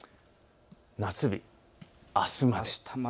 夏日、あすまで。